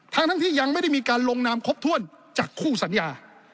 ทั้งที่ยังไม่ได้มีการลงนามครบถ้วนจากคู่สัญญา